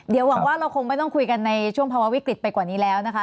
เดี๋ยวหวังว่าเราคงไม่ต้องคุยกันในช่วงภาวะวิกฤตไปกว่านี้แล้วนะคะ